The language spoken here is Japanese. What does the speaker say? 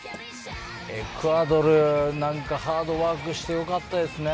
エクアドルはハードワークして良かったですね。